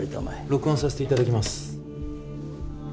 ピッ録音させていただきます。